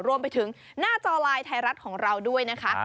รวมไปถึงหน้าจอไลน์ไทยรัฐของเราด้วยนะคะ